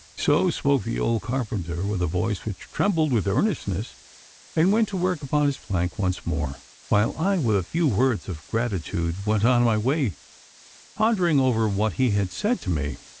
So spoke the old carpenter with a voice which trembled with earnestness, and went to work upon his plank once more, while I, with a few words of gratitude, went on my way pondering over what he had said to me.